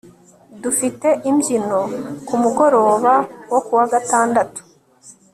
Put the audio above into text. Dufite imbyino kumugoroba wo kuwa gatandatu